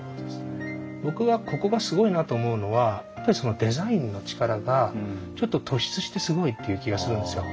僕はここがすごいなと思うのはデザインの力がちょっと突出してすごいっていう気がするんですよ。